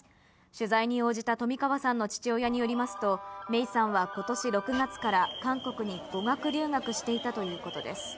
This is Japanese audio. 取材に応じた冨川さんの父親によりますと、芽生さんは、ことし６月から韓国に語学留学していたということです。